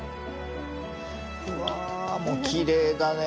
うわきれいだね。